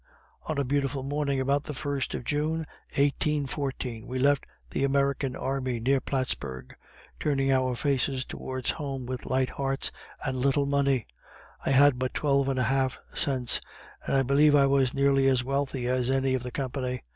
On a beautiful morning, about the first of June, 1814, we left the American army near Plattsburg, turning our faces towards home with light hearts and little money. I had but twelve and a half cents, and I believe I was nearly as wealthy as any of the company.